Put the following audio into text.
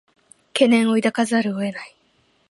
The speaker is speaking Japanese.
懸念を抱かざるを得ない